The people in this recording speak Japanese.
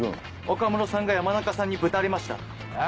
岡室さんが山中さんにぶたれました。え？